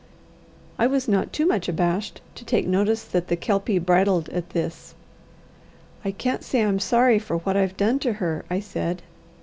I was not too much abashed to take notice that the Kelpie bridled at this. "I can't say I'm sorry for what I've done to her," I said.